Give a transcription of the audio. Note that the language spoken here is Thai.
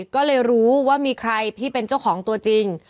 ก็เลยรู้ว่ามีใครที่เป็นเจ้าของตัวจริง